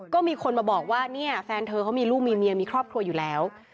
ก็มีคนมาบอกว่าเนี่ยแฟนเธอเขามีลูกมีเมียมีครอบครัวอยู่แล้ว